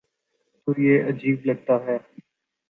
تو یہ عجیب لگتا ہے۔